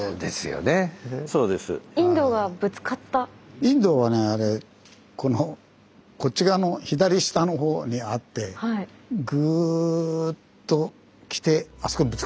インドはねあれこっち側の左下のほうにあってグーッと来てあそこにぶつかったの。